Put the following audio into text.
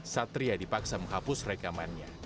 satria dipaksa menghapus rekamannya